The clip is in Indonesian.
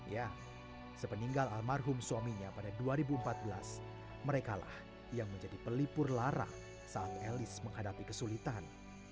ya sepeninggal almarhum suaminya pada dua ribu empat belas merekalah yang menjadi pelipur lara saat elis menghadapi kesulitan